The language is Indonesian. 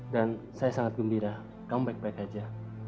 dan saya sangat gembira kamu baik baik aja